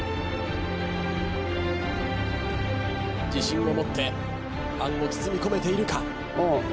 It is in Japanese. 自信を持ってあんを包み込めているか？